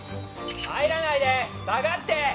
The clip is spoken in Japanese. ・入らないで下がって！